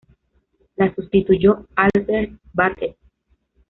La sustituyó Albert Batet.